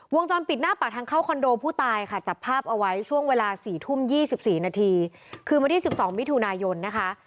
วงจรปิดหน้าปากทางเข้าคอนโดผู้ตายค่ะจับภาพเอาไว้ช่วงเวลา๔ทุ่ม๒๔นาทีคือวันที่๑๒มิถุนายนนะคะ